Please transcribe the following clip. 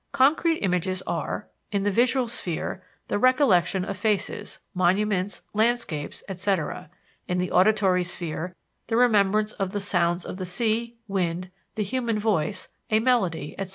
Concrete images are: In the visual sphere, the recollection of faces, monuments, landscapes, etc.; in the auditory sphere, the remembrance of the sounds of the sea, wind, the human voice, a melody, etc.